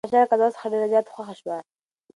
مرغۍ د پاچا له قضاوت څخه ډېره زیاته خوښه شوه.